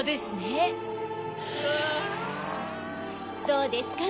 どうですか？